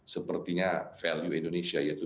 sepertinya value indonesia yaitu